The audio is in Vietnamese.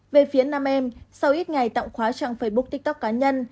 về phía nam em sau ít ngày tạo khóa trang facebook tiktok cá nhân